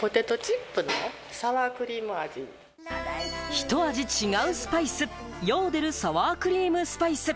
一味違うスパイス、ＹＯＤＥＬＬサワークリームスパイス。